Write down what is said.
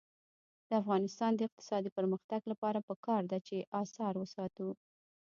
د افغانستان د اقتصادي پرمختګ لپاره پکار ده چې اثار وساتو.